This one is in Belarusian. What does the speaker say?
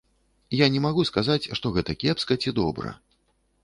Я не магу сказаць, што гэта кепска ці добра.